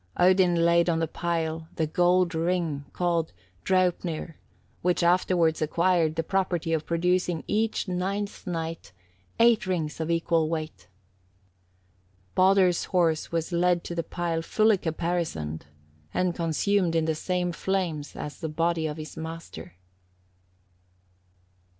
Odin laid on the pile the gold ring called Draupnir, which afterwards acquired the property of producing every ninth night eight rings of equal weight. Baldur's horse was led to the pile fully caparisoned, and consumed in the same flames on the body of his master.